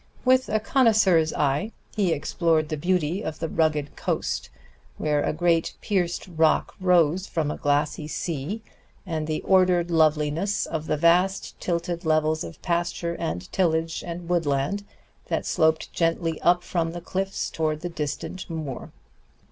With a connoisseur's eye he explored the beauty of the rugged coast, where a great pierced rock rose from a glassy sea, and the ordered loveliness of the vast tilted levels of pasture and tillage and woodland that sloped gently up from the cliffs toward the distant moor.